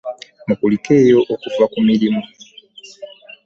Mukulikeeyo okuva ku mirimu.